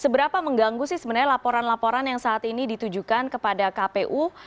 seberapa mengganggu sih sebenarnya laporan laporan yang saat ini ditujukan kepada kpu